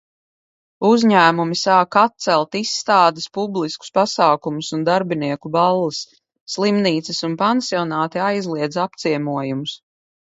Uzņēmumi sāk atcelt izstādes, publiskus pasākumus un darbinieku balles. Slimnīcas un pansionāti aizliedz apciemojumus.